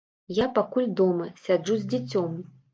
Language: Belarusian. Я пакуль дома, сяджу з дзіцём.